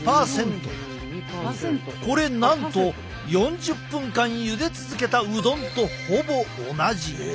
これなんと４０分間ゆで続けたうどんとほぼ同じ。え！